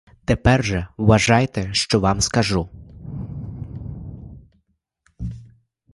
Тепер же вважайте, що вам скажу.